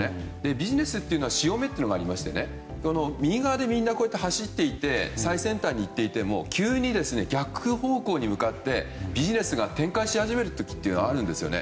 ビジネスというのは潮目というのがありまして右側でみんな走っていて最先端に行っていても急に逆方向に向かってビジネスが展開し始める時があるんですね。